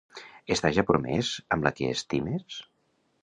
Estàs ja promès amb la que estimes?